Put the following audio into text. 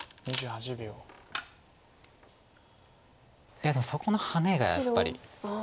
いやでもそこのハネがやっぱり。